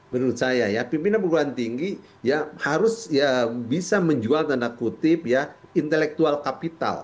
menurut saya ya pimpinan perguruan tinggi ya harus bisa menjual tanda kutip ya intelektual kapital